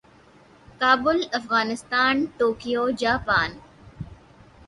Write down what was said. Kabul Afghanistan Tokyo Japan